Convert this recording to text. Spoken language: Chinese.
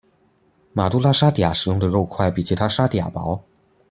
马都拉沙嗲使用的肉块比其他沙嗲薄。